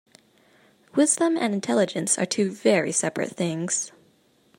Wisdom and intelligence are two very seperate things.